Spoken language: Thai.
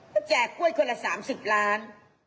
ก็แจกกล้วยคนละ๓๐ล้าน